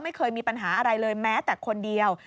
ไม่เคยมีปัญหาอะไรเลยแม้แต่คนเดียว